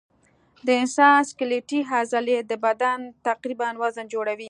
د انسان سکلیټي عضلې د بدن تقریباً وزن جوړوي.